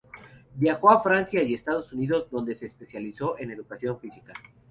Viajó a Francia y Estados Unidos, donde se especializó en Educación Física.